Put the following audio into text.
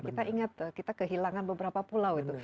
kita ingat kita kehilangan beberapa pulau itu